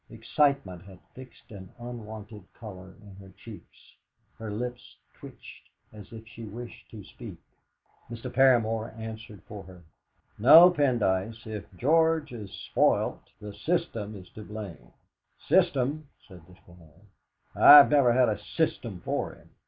Excitement had fixed an unwonted colour in her cheeks; her lips twitched as if she wished to speak. Mr. Paramor answered for her: "No, Pendyce; if George is spoilt, the system is to blame." "System!" said the Squire. "I've never had a system for him.